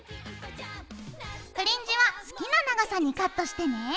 フリンジは好きな長さにカットしてね。